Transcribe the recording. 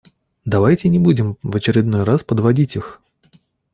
Давайте не будем в очередной раз подводить их!